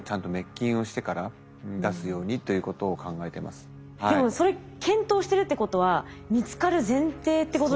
そこはで出す時もでもそれ検討してるってことは見つかる前提ってことですよね。